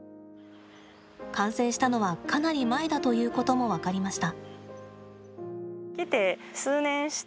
感染したのは、かなり前だということも分かりました。